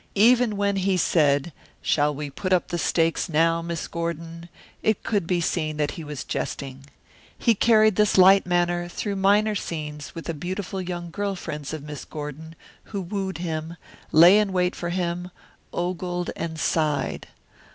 Even when he said, "Shall we put up the stakes now, Miss Gordon?" it could be seen that he was jesting. He carried this light manner through minor scenes with the beautiful young girl friends of Miss Gordon who wooed him, lay in wait for him, ogled and sighed.